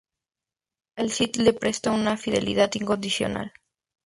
Al Cid le presta una fidelidad incondicional.